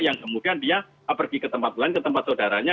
yang kemudian dia pergi ke tempat lain ke tempat saudaranya